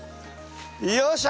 よっしゃ！